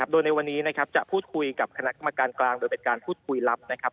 โดยในวันนี้นะครับจะพูดคุยกับคณะกรรมการกลางโดยเป็นการพูดคุยลับนะครับ